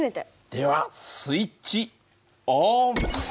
ではスイッチオン！